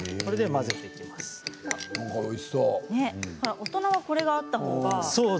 大人はこれがあったほうが。